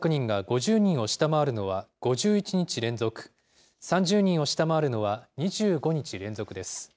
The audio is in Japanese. ３０人を下回るのは２５日連続です。